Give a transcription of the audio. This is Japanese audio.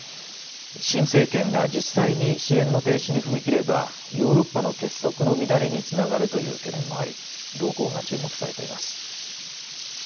新政権が実際に支援の停止に踏み切ればヨーロッパの結束の乱れにつながるという懸念もあり動向が注目されています。